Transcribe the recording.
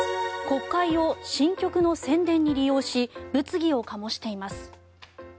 国会を新曲の宣伝に利用し物議を醸しています。